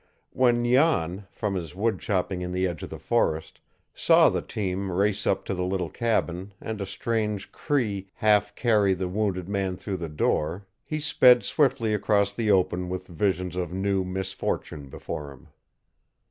When Jan, from his wood chopping in the edge of the forest, saw the team race up to the little cabin and a strange Cree half carry the wounded man through the door, he sped swiftly across the open with visions of new misfortune before him.